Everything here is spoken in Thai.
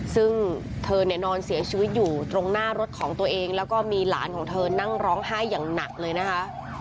ซึ่งเธอเนี่ยนอนเสียชีวิตอยู่ตรงหน้ารถของตัวเองแล้วก็มีหลานของเธอนั่งร้องไห้อย่างหนักเลยนะคะ